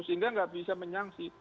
sehingga tidak bisa menyansi